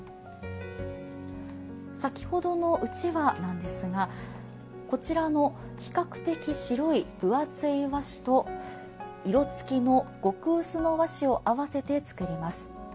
先ほどのうちわなんですがこちらの比較的白い分厚い和紙と色付きの極薄の和紙を合わせて作ります。